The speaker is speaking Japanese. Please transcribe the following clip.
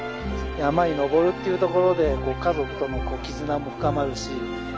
山に登るというところで家族との絆も深まるし。